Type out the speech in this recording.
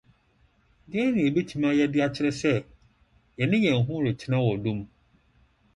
Dɛn na yebetumi ayɛ de akyerɛ sɛ, yɛne ‘ yɛn ho retena wɔ ɔdɔ mu ’?